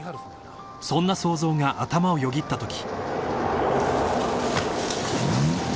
［そんな想像が頭をよぎったとき］